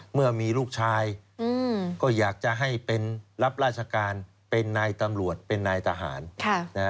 เมื่อมีลูกชายก็อยากจะให้เป็นรับราชการเป็นนายตำรวจเป็นนายทหาร